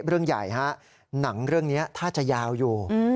เรื่องใหญ่ฮะหนังเรื่องนี้ถ้าจะยาวอยู่